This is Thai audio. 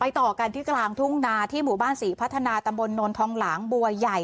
ต่อกันที่กลางทุ่งนาที่หมู่บ้านศรีพัฒนาตำบลโนนทองหลางบัวใหญ่